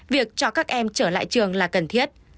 việc cho các em trở lại trường là cần thiết